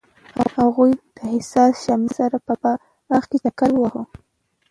هغوی د حساس شمیم سره په باغ کې چکر وواهه.